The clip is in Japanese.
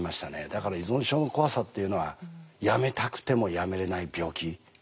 だから依存症の怖さっていうのはやめたくてもやめれない病気。